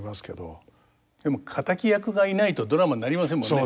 でも敵役がいないとドラマになりませんもんね。